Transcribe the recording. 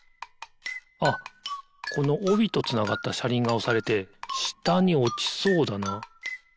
あっこのおびとつながったしゃりんがおされてしたにおちそうだな。